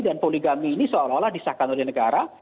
dan poligami ini seolah olah disahkan oleh negara